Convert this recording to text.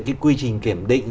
cái quy trình kiểm định